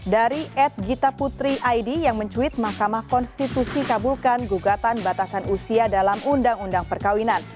dari ed gita putri aidi yang mencuit mahkamah konstitusi kabulkan gugatan batasan usia dalam undang undang perkawinan